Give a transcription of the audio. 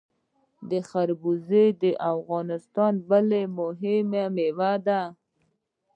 خربوزه د افغانستان بله مهمه میوه ده.